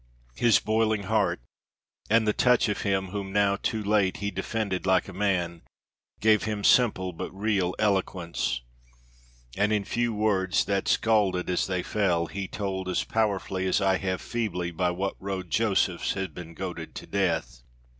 His boiling heart and the touch of him, whom now too late he defended like a man, gave him simple but real eloquence, and in few words, that scalded as they fell, he told as powerfully as I have feebly by what road Josephs had been goaded to death.